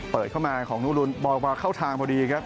เปิดเข้ามาของนูรุนบอยวาเข้าทางพอดีครับ